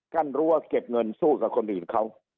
รั้วเก็บเงินสู้กับคนอื่นเขา